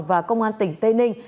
và công an tỉnh tây ninh